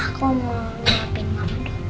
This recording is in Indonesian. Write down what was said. aku mau nyapain mama dulu